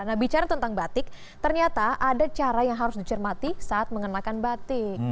nah bicara tentang batik ternyata ada cara yang harus dicermati saat mengenakan batik